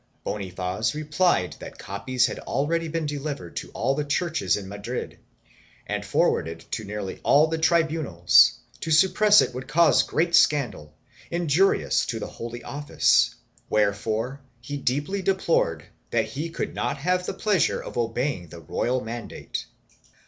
Bonifaz replied that copies had already been delivered to all the churches in Madrid and forwarded to nearly all the tribunals; to suppress it would cause great scandal, injurious to the Holy Office, wherefore he deeply deplored that he could not have the pleasure of obeying the royal mandate.